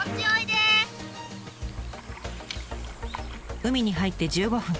海に入って１５分。